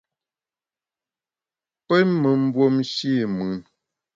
Pe me mbuomshe i mùn.